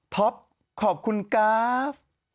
ท็อปขอบคุณกราฟ